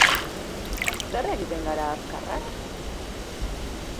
Zer egiten gara azkarrak?